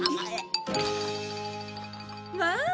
まあ！